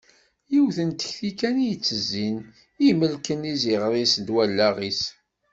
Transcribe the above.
Yiwet n tekti kan i yettezin i imelken iziɣer-is d wallaɣ-is.